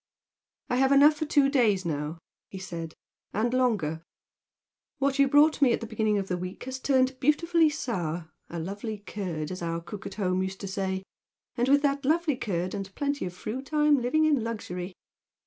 "I have enough for two days now," he said "and longer. What you brought me at the beginning of the week has turned beautifully sour, a 'lovely curd' as our cook at home used to say , and with that 'lovely curd' and plenty of fruit I'm living in luxury."